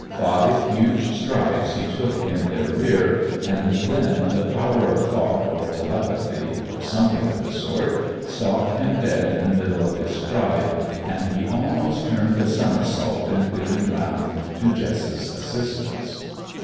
Five huge strides he took in their rear; and then the power of thought, or telepathy, or something of the sort, stopped him dead in the middle of his stride, and he almost turned a somersault in wheeling round to Jess's assistance.